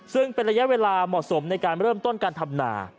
ซึ่งเป็นระยะเวลาเหมาะสมในการเริ่มต้นการทำนา